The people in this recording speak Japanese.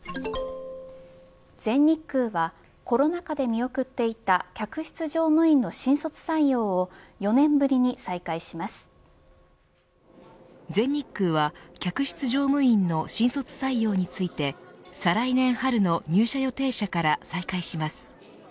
全日空はコロナ禍で見送っていた客室乗務員の新卒採用を全日空は客室乗務員の新卒採用について再来年春の入社予定者から再開します。